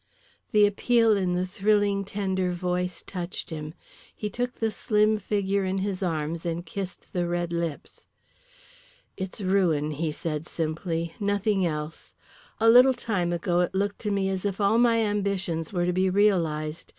The appeal in the thrilling tender voice touched him. He took the slim figure in his arms and kissed the red lips. "It's ruin," he said simply, "nothing else. A little time ago it looked to me as if all my ambitions were to be realised.